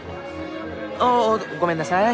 おっとごめんなさい。